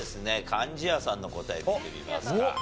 貫地谷さんの答え見てみますか。